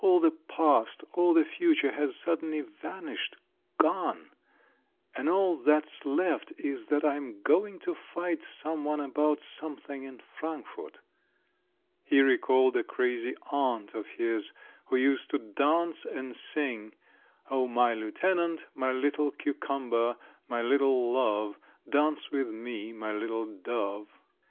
All the past, all the future has suddenly vanished, gone,—and all that's left is that I am going to fight some one about something in Frankfort." He recalled a crazy aunt of his who used to dance and sing: "O my lieutenant! My little cucumber! My little love! Dance with me, my little dove!"